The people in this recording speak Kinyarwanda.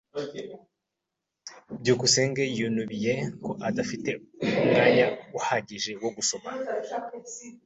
byukusenge yinubiye ko adafite umwanya uhagije wo gusoma.